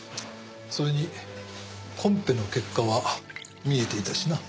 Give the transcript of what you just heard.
それにコンペの結果は見えていたしな。